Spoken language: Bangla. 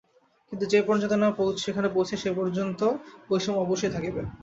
কিন্তু যে পর্যন্ত না সেখানে পৌঁছাই, সে পর্যন্ত বৈষম্য অবশ্যই থাকিবে।